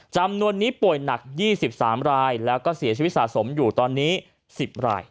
จำนวนนี้ป่วยหนัก๒๓รายแล้วก็เสียชีวิตสะสมอยู่ตอนนี้๑๐ราย